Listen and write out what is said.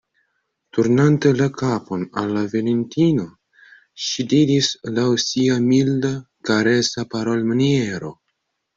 Turnante la kapon al la venintino, ŝi diris laŭ sia milda, karesa parolmaniero: